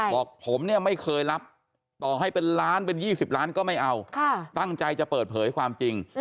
บอกผมเนี่ยไม่เคยรับต่อให้เป็นล้านเป็น๒๐ล้านก็ไม่เอาตั้งใจจะเปิดเผยความจริง